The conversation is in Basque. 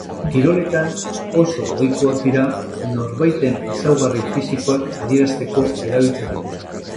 Kiroletan oso ohikoak dira, norbaiten ezaugarri fisikoak adierazteko erabiltzen dituzte.